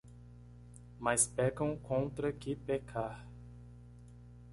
Mais pecam contra que pecar